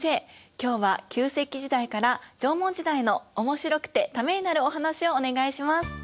今日は旧石器時代から縄文時代のおもしろくてためになるお話をお願いします。